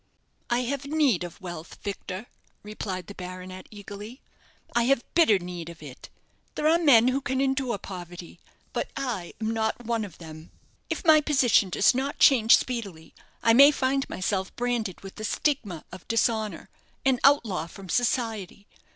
"I have need of wealth, Victor," replied the baronet, eagerly; "I have bitter need of it. There are men who can endure poverty; but I am not one of them. If my position does not change speedily I may find myself branded with the stigma of dishonour an outlaw from society.